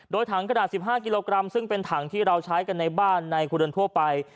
โดยถังกระดาษ๑๕กิโลกรัมซึ่งเป็นถังที่เราใช้กันในบ้านในครัวเรือนทั่วไป